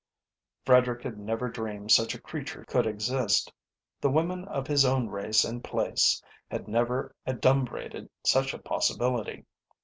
Frederick had never dreamed such a creature could exist. The women of his own race and place had never adumbrated such a possibility.